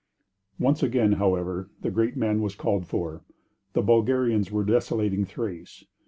Once again, however, the great man was called for. The Bulgarians were desolating Thrace.